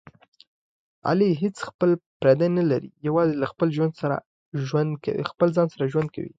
علي هېڅ خپل پردی نه لري، یوازې له خپل ځان سره ژوند کوي.